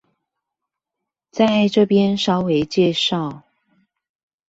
在這邊稍微介紹